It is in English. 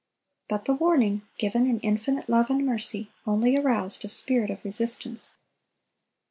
But the warning, given in infinite love and mercy, only aroused a spirit of resistance.